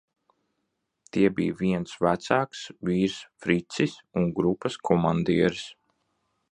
"Tie bija viens vecāks vīrs "Fricis" un grupas komandieris."